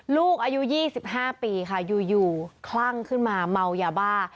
ลูกอายุ๒๕ปีค่ะอยู่คลั่งขึ้นมาเมายาบ้า